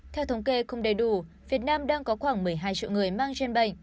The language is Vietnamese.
theo thống kê không đầy đủ việt nam đang có khoảng một mươi hai triệu người mang gen bệnh